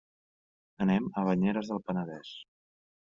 Anem a Banyeres del Penedès.